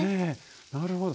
なるほど。